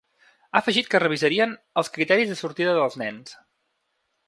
Ha afegit que revisarien els criteris de sortida dels nens.